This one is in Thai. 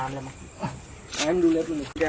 หึ้ยแล้วมันแก้งตายเลยเนี่ย